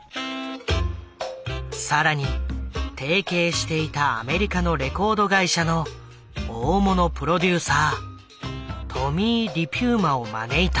更に提携していたアメリカのレコード会社の大物プロデューサートミー・リピューマを招いた。